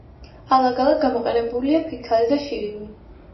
ალაგ-ალაგ გამოყენებულია ფიქალი და შირიმი.